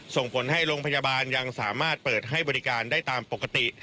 ส่งผลให้โรงพยาบาลยังสามารถเปิดให้บริการได้ตามปกติ